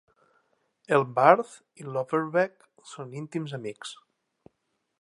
El Barth i l'Overweg són íntims amics.